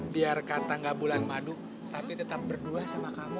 biar kata gak bulan madu tapi tetap berdua sama kamu